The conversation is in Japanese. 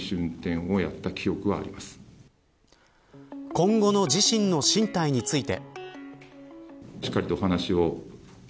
今後の自身の進退について。